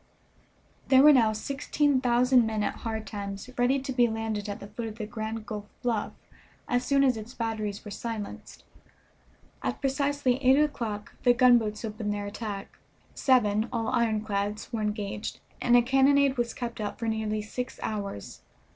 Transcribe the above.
There were now sixteen thousand men at Hard Times ready to be landed at the foot of the Grand Gulf bluff as soon as its batteries were silenced. At precisely eight o'clock the gunboats opened their attack. Seven, all ironclads, were engaged, and a cannonade was kept up for nearly six hours.